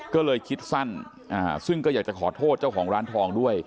ก็เลยคิดสั้นซึ่งก็อยากจะขอโทษเจ้าของร้านทองด้วย